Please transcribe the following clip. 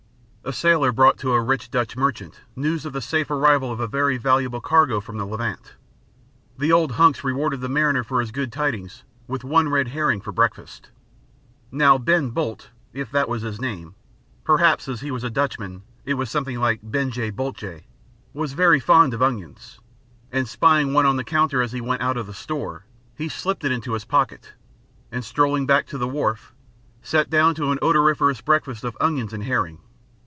A sailor brought to a rich Dutch merchant news of the safe arrival of a very valuable cargo from the Levant. The old hunks rewarded the mariner for his good tidings with one red herring for breakfast. Now Ben Bolt (if that was his name perhaps as he was a Dutchman it was something like Benje Boltje) was very fond of onions, and spying one on the counter as he went out of the store, he slipped it into his pocket, and strolling back to the wharf, sat down to an odoriferous breakfast of onions and herring.